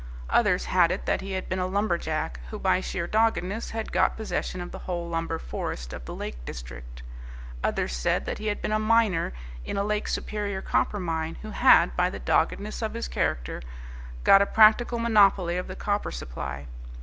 Others had it that he had been a lumberjack who, by sheer doggedness, had got possession of the whole lumber forest of the Lake district. Others said that he had been a miner in a Lake Superior copper mine who had, by the doggedness of his character, got a practical monopoly of the copper supply.